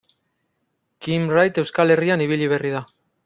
Kim Wright Euskal Herrian ibili berri da.